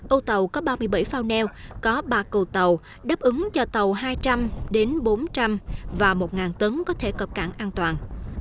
âu tàu có ba mươi bảy phao neo có ba cầu tàu đáp ứng cho tàu hai trăm linh đến bốn trăm linh và một tấn có thể cập cảng an toàn